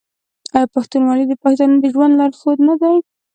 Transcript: آیا پښتونولي د پښتنو د ژوند لارښود نه دی؟